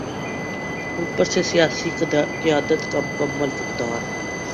اوپر سے سیاسی قیادت کا مکمل فقدان۔